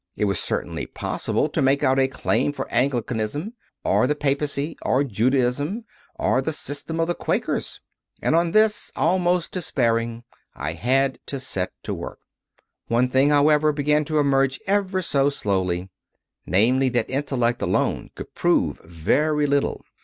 It was certainly possible to make out a claim for Anglicanism or the Papacy or Judaism or the system of the Quakers. And on this, almost despairing, I had to set to work. One thing, how CONFESSIONS OF A CONVERT 99 ever, began to emerge ever so slowly; namely, that intellect alone could prove very little.